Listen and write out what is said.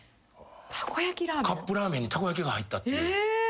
カップラーメンにたこ焼きが入ったっていう。